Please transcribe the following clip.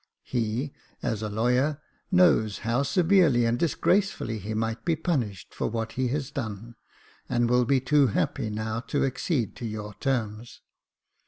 He, as a lawyer, knows how severely and disgracefully he might be punished for what he has done, and will be too happy now to accede to your terms.